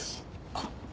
あっ。